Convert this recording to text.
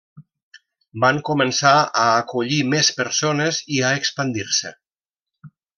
Van començar a acollir més persones i a expandir-se.